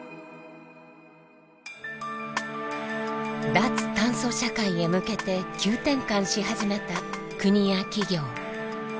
脱炭素社会へ向けて急転換し始めた国や企業。